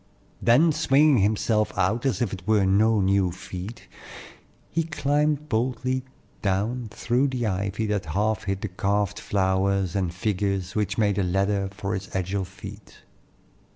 Then swinging himself out as if it were no new feat, he climbed boldly down through the ivy that half hid the carved flowers and figures which made a ladder for his agile feet.